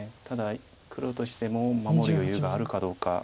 ただ黒としても守る余裕があるかどうか。